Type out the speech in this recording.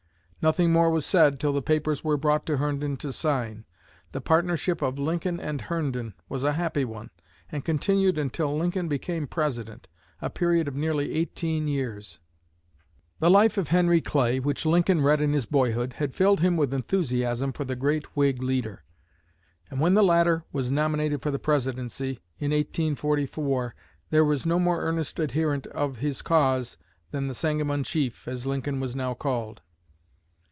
Nothing more was said till the papers were brought to Herndon to sign. The partnership of "Lincoln & Herndon" was a happy one, and continued until Lincoln became President, a period of nearly eighteen years. The life of Henry Clay, which Lincoln read in his boyhood, had filled him with enthusiasm for the great Whig leader; and when the latter was nominated for the Presidency, in 1844, there was no more earnest adherent of his cause than the "Sangamon Chief," as Lincoln was now called.